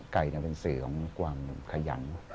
ไก่เป็นศือของกว่าขยัน